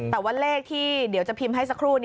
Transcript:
แต่ว่าเลขที่เดี๋ยวจะพิมพ์ให้สักครู่